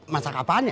masak apaan ya